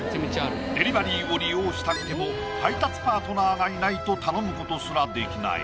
デリバリーを利用したくても配達パートナーがいないと頼むことすらできない